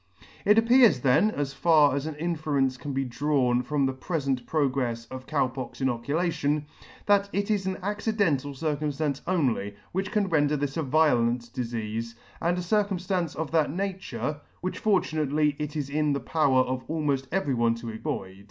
It appears then (as far as an inference can be drawn from the prefent progrefs of Cow pox inoculation) that it is an accidental circumftance only, which can render this a violent difeafe, and a circumftance of that nature) which fortunately it is in the power of almoft every one to avoid.